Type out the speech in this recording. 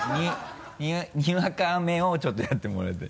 にわか雨をちょっとやってもらいたい。